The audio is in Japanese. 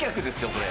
これ。